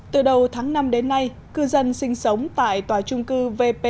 từ đầu tháng năm đến nay cư dân sinh sống tại tòa chung cư vp ba